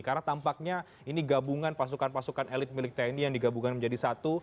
karena tampaknya ini gabungan pasukan pasukan elit milik tni yang digabungkan menjadi satu